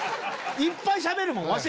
いっぱいしゃべるもん。